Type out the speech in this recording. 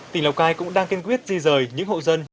tỉnh lào cai cũng đang kiên quyết di rời những hộ dân